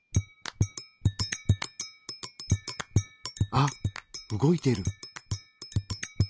あっ動いてる！